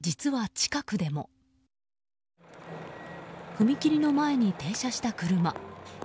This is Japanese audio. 踏切の前に停車した車。